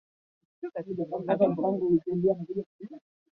Alitangazwa na aliyekuwa mgombea urais wa chama cha mapinduzi